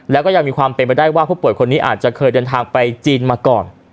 แล้วก็ยังมีความเป็นไปได้ว่าผู้ป่วยคนนี้อาจจะเคยเดินทางไปจีนมาก่อน